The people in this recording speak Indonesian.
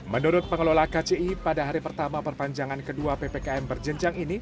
menurut pengelola kci pada hari pertama perpanjangan kedua ppkm berjenjang ini